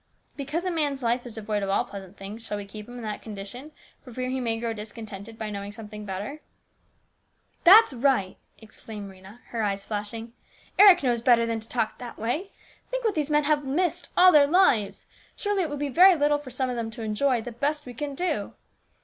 ' Because a man's life is devoid of all pleasant things, shall we keep him in that condition, for fear he may grow discontented by knowing something better ?"" That's right !" exclaimed Rhena, her eyes flashing. " Eric knows better than to talk that way. Think what these men have missed all their lives ! Surely it will be very little for some of them to enjoy, the best we can do.